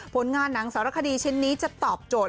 ผลงานหนังสารคดีชิ้นนี้จะตอบโจทย